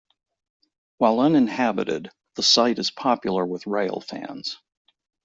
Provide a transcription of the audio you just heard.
While uninhabited, the site is popular with railfans.